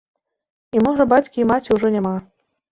І можа бацькі і маці ўжо няма.